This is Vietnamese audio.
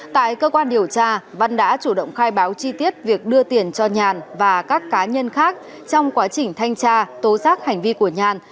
tại cơ quan điều tra văn đã chủ động khai báo chi tiết việc đưa tiền cho nhàn và các cá nhân khác trong quá trình thanh tra tố giác hành vi của nhàn